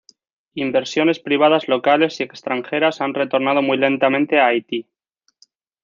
Inversiones privadas locales y extranjeras han retornado muy lentamente a Haití.